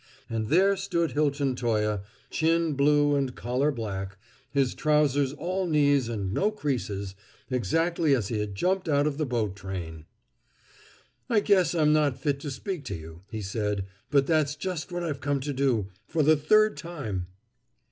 And there stood Hilton Toye, chin blue and collar black, his trousers all knees and no creases, exactly as he had jumped out of the boat train. "I guess I'm not fit to speak to you," he said, "but that's just what I've come to do for the third time!"